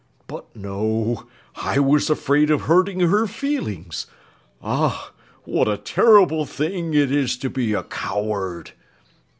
"But no, I was afraid of hurting her feelings. Ugh, what a terrible thing it is to be a coward!"